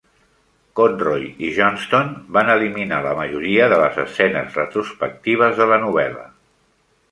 Conroy i Johnston van eliminar la majoria de les escenes retrospectives de la novel·la.